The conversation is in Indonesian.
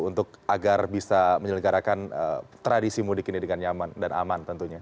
untuk agar bisa menyelenggarakan tradisi mudik ini dengan nyaman dan aman tentunya